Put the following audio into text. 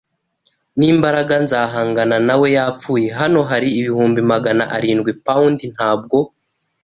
n'imbaraga, nzahangana na we yapfuye. Hano hari ibihumbi magana arindwi pound ntabwo